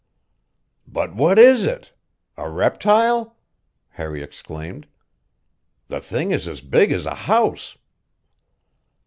"But what is it? A reptile!" Harry exclaimed. "The thing is as big as a house!"